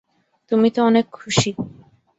তুমি তো অনেক খুশি।